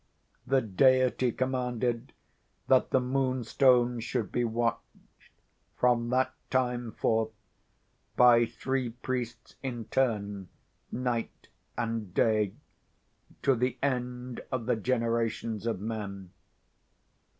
The deity commanded that the Moonstone should be watched, from that time forth, by three priests in turn, night and day, to the end of the generations of men.